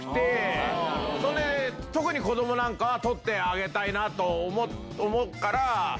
特に子供なんかは撮ってあげたいなと思うから。